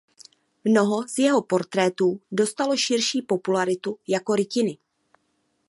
Mnoho z jeho portrétů dostalo širší popularitu jako rytiny.